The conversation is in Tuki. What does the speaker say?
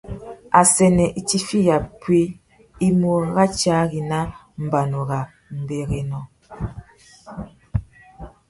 Assênē itifiya puï i mú ratiari nà mbanu râ mbérénô.